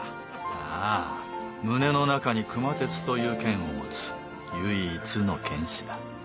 ああ胸の中に熊徹という剣を持つ唯一の剣士だ。